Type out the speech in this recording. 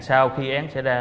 sau khi án xảy ra